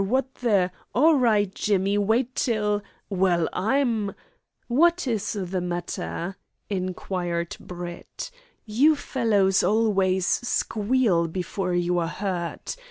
Wot th' " "All right, Jimmy. Wait till " "Well, I'm " "What is the matter?" inquired Brett, "You fellows always squeal before you are hurt.